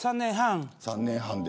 ３年半。